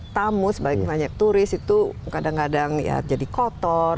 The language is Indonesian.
tamu sebagian banyak turis itu kadang kadang ya jadi kotor